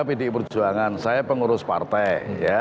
pdi perjuangan saya pengurus partai